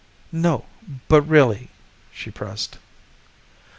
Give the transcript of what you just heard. "No, but really," she pressed.